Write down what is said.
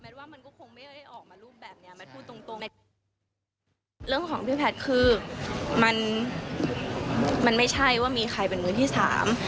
เรื่องของพี่แพทคือมันไม่ใช่ว่ามีใครเป็นมือที่สาม